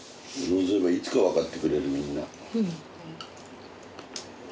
そうすればいつか分かってくれるみんな。